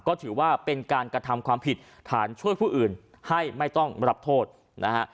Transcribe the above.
ก็ถือว่าเป็นการกระทำความผิดฐานช่วยผู้อื่นให้ไม่ต้องรับโทษนะฮะ